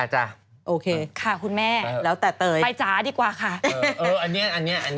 จ้ะโอเคค่ะคุณแม่ไปจ๋าดีกว่าค่ะไปจ๋าดีกว่าอันเนี้ย